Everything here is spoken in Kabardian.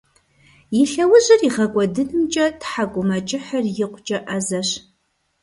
И лъэужьыр игъэкIуэдынымкIэ тхьэкIумэкIыхьыр икъукIэ Iэзэщ.